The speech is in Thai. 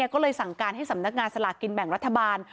ก็เลยสั่งการให้สำนักงานสลากกินแบ่งรัฐบาล